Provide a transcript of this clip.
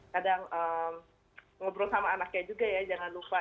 kadang ngobrol sama anaknya juga ya jangan lupa